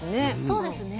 そうですね。